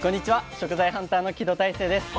食材ハンターの木戸大聖です。